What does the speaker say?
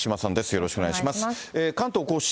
よろしくお願いします。